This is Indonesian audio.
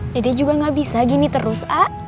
dede juga gak bisa gini terus a